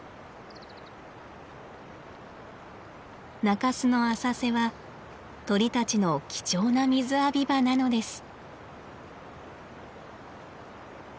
中州の浅瀬は鳥たちの貴重な水浴び場なのです。